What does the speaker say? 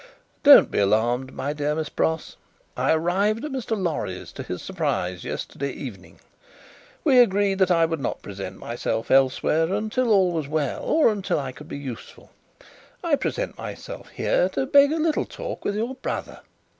"Don't be alarmed, my dear Miss Pross. I arrived at Mr. Lorry's, to his surprise, yesterday evening; we agreed that I would not present myself elsewhere until all was well, or unless I could be useful; I present myself here, to beg a little talk with your brother.